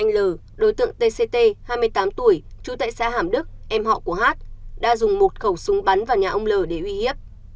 anh l đối tượng t c t hai mươi tám tuổi chú tại xã hàm đức em họ của h đã dùng một khẩu súng bắn vào nhà ông l để uy hiếp